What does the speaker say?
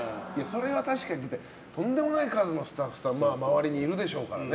とんでもない数のスタッフさん周りにいるでしょうからね。